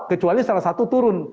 kecuali salah satu turun